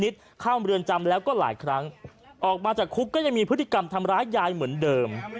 เข้าเมืองจำแล้วก็หลายครั้งออกมาจากคุกก็ยังมีพฤติกรรมทำร้ายยายเหมือนเดิม